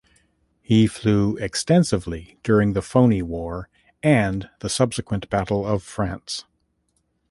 He flew extensively during the Phoney War and the subsequent Battle of France.